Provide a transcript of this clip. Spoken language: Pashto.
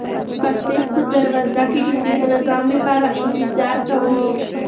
قاصد په دروازه کې د صدراعظم لپاره انتظار کاوه.